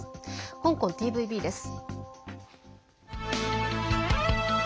香港ＴＶＢです。